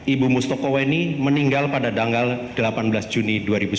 ibu mustoko weni meninggal pada tanggal delapan belas juni dua ribu sembilan belas